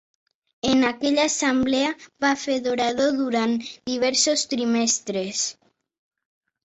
En aquella assemblea va fer d'orador durant diversos trimestres.